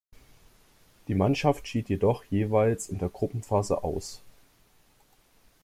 Die Mannschaft schied jedoch jeweils in der Gruppenphase aus.